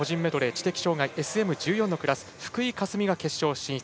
知的障がいＳＭ１４のクラス福井香澄が決勝進出。